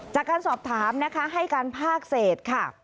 จากการสอบถามนะคะให้การภาคเศษค่ะ